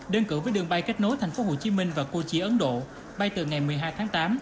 đơn cử với đường bay kết nối thành phố hồ chí minh và cu chi ấn độ bay từ ngày một mươi hai tháng tám